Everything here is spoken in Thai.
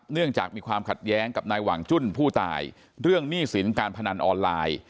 เนื่องจากมีความขัดแย้งกับนายหว่างจุ้นผู้ตายเรื่องหนี้สินการพนันออนไลน์